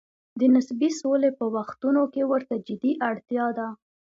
د نسبي سولې په وختونو کې ورته جدي اړتیا ده.